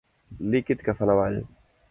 Líquid que fa anar avall.